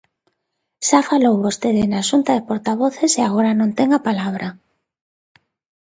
Xa falou vostede na Xunta de Portavoces e agora non ten a palabra.